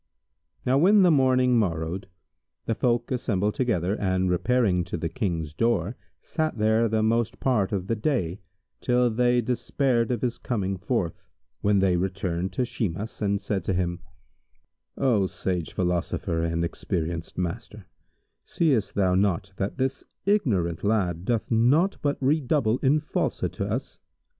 Now when the morning morrowed, the folk assembled together and repairing to the King's door, sat there the most part of the day, till they despaired of his coming forth, when they returned to Shimas and said to him, "O sage philosopher and experienced master, seest thou not that this ignorant lad doth naught but redouble in falsehood to us?